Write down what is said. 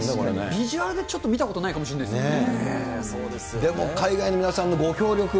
ビジュアルでちょっと見たことないかもしれないですね。